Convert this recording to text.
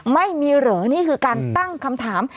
ไม่มีเหรอนี่คือการตั้งคำถาม